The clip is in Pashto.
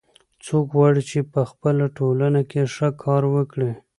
څوک غواړي چې په خپل ټولنه کې ښه کار وکړي